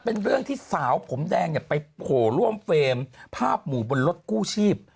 เป็นเรื่องที่สาวผมแดงเนี่ยไปโผล่ร่วมเฟรมภาพหมู่บนรถกู้ชีพ